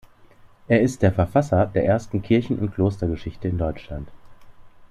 Er ist der Verfasser der ersten Kirchen- und Klostergeschichte in Deutschland.